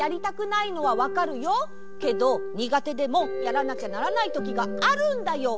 けどにがてでもやらなきゃならないときがあるんだよ。